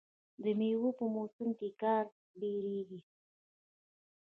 د میوو په موسم کې کار ډیریږي.